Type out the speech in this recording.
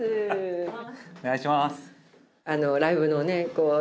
お願いします。